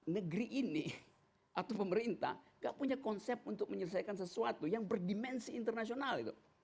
negeri ini atau pemerintah gak punya konsep untuk menyelesaikan sesuatu yang berdimensi internasional